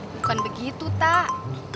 bukan begitu tak